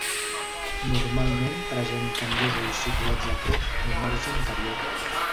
Normalment presenten dos ulls situats a prop al marge anterior.